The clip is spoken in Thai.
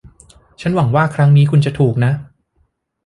ฉันหวังว่าครั้งนี้คุณจะถูกนะ